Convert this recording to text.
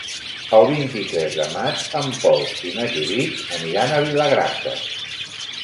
El vint-i-tres de maig en Pol i na Judit aniran a Vilagrassa.